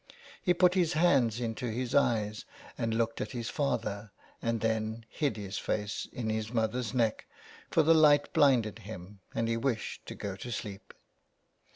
He put his hands into his eyes and looked at his father, and then hid his face in his mother's neck, for the light blinded him and he wished to go to sleep.